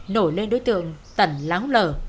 nổi lên đối tượng tận láng lờ